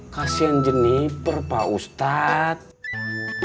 kasian jeniper pak ustadz